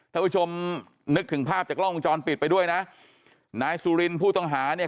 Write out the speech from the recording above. ท่านผู้ชมนึกถึงภาพจากกล้องวงจรปิดไปด้วยนะนายสุรินผู้ต้องหาเนี่ย